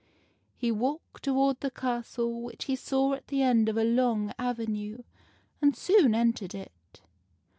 He walked toward the castle, which he saw at the end of a long avenue, and soon entered it.